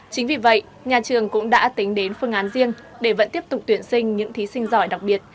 chính vì vậy nhà trường cũng đã tính đến phương án riêng để vẫn tiếp tục tuyển sinh những thí sinh giỏi đặc biệt